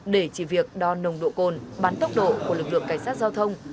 để chỉ việc đo nồng độ cồn bắn tốc độ của lực lượng cảnh sát giao thông